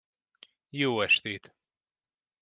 Jó estét!